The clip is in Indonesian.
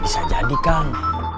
bisa jadi kang